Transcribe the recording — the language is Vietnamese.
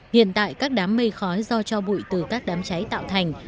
hiện tại các đám mây khói do cho bụi từ các đám cháy tạo thành